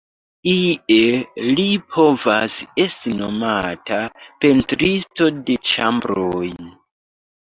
Ie li povas esti nomata pentristo de ĉambroj.